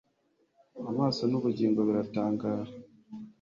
Amaso nubugingo biratangara